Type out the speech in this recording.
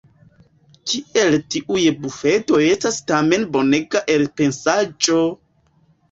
Kiel tiuj bufedoj estas tamen bonega elpensaĵo!